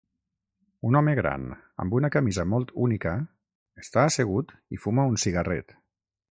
Un home gran amb una camisa molt única està assegut i fuma un cigarret.